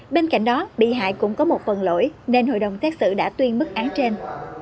bên cạnh đó bị hại cũng có một phần lỗi nên hội đồng tết sự đã tuyên bức án trên